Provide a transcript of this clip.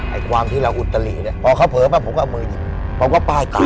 ไอ้ความที่เราอุตลิเนี่ยพอเขาเผลอมาผมก็เอามือหยิบผมก็ป้ายตา